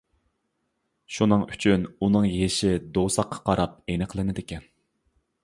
شۇنىڭ ئۈچۈن ئۇنىڭ يېشى دوۋساققا قاراپ ئېنىقلىنىدىكەن.